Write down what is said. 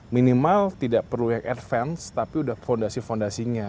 minimal tidak perlu yang advance tapi udah fondasi fondasinya